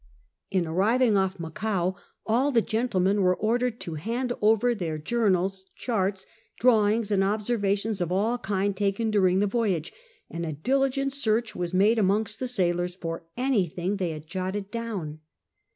On arriving off Macao all the gentlemen were ordered to hand over their journals, charts, drawings, and ob servations of all kinds taken during the voyage, and a diligent search was made amongst the sailors for any thing they had jotted down.